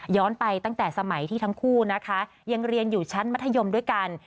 ไปตั้งแต่สมัยที่ทั้งคู่นะคะยังเรียนอยู่ชั้นมัธยมด้วยกัน